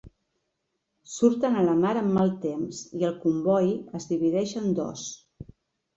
Surten a la mar amb mal temps, i el comboi es divideix en dos.